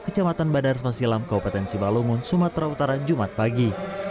kecamatan badar masilam kopetensi balumun sumatera utara jumat pagi